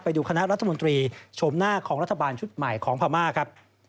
ดูคณะรัฐมนตรีชมหน้าของรัฐบาลชุดใหม่ของพม่าครับ